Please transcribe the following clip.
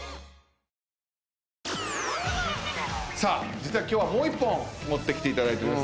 実は今日はもう１本持ってきていただいてます。